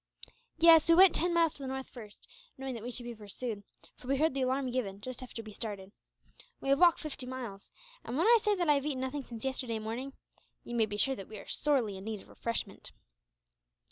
"Yes; we went ten miles to the north first, knowing that we should be pursued; for we heard the alarm given, just after we started. We have walked fifty miles and, when I say that I have eaten nothing since yesterday morning, you may be sure that we are sorely in need of refreshment."